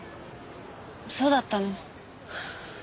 そうだったの。